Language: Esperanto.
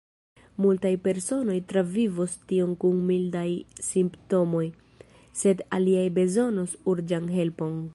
Multaj personoj travivos tion kun mildaj simptomoj, sed aliaj bezonos urĝan helpon.